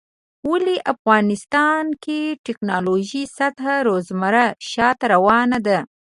ولی افغانستان کې د ټيکنالوژۍ سطحه روزمره شاته روانه ده